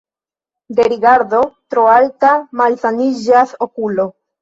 De rigardo tro alta malsaniĝas okulo.